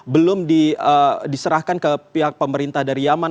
belum diserahkan ke pihak pemerintah dari yaman